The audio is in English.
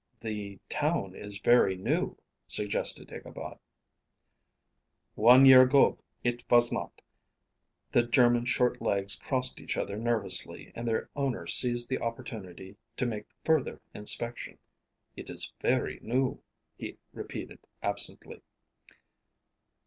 "The town is very new," suggested Ichabod. "One year ago it was not." The German's short legs crossed each other nervously and their owner seized the opportunity to make further inspection. "It is very new," he repeated absently.